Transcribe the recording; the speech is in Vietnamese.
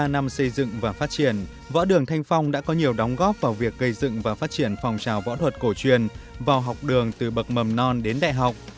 ba mươi năm xây dựng và phát triển võ đường thanh phong đã có nhiều đóng góp vào việc gây dựng và phát triển phòng trào võ thuật cổ truyền vào học đường từ bậc mầm non đến đại học